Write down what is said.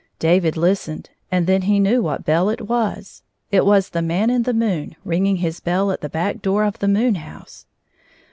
David listened, and then he knew what bell it was. It was the Man in the moon ringing his bell at the back door of the moon house.